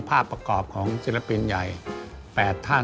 อย่าเป็นอย่างสายลมเหล่า